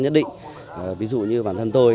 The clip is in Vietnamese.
nhất định ví dụ như bản thân tôi